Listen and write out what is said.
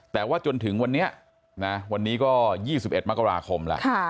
แต่ว่าจนถึงวันนี้วันนี้ก็๒๑มกราคมแล้ว